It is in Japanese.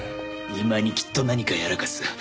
今にきっと何かやらかす。